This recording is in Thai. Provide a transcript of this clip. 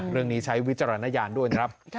เรื่องนี้ใช้วิจารณญาณด้วยนะครับ